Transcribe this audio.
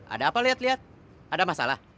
ada apa liat liat ada masalah